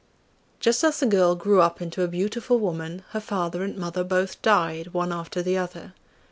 Just as the girl grew up into a beautiful woman, her father and mother both died one after the other.